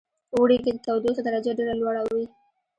اوړی کې د تودوخې درجه ډیره لوړه وی